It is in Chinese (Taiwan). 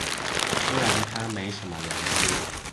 雖然他沒什麼良心